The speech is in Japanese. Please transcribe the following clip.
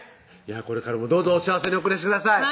これからもどうぞお幸せにお暮らしください